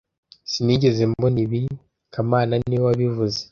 Sinigeze mbona ibi kamana niwe wabivuze